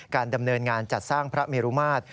ดำเนินงานจัดสร้างพระเมรุมาตร